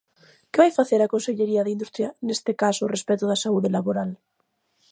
¿Que vai facer a Consellería de Industria neste caso respecto da saúde laboral?